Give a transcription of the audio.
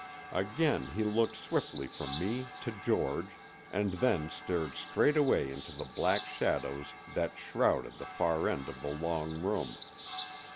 Again he looked swiftly from me to George, and then stared straight away into the black shadows that shrouded the far end of the long room.